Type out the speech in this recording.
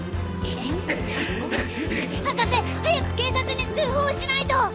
博士早く警察に通報しないと！